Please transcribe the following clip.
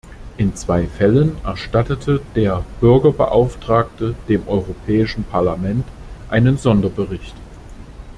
In zwei Fällen erstattete der Bürgerbeauftragte dem Europäischen Parlament einen Sonderbericht.